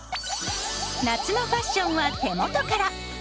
夏のファッションは手元から！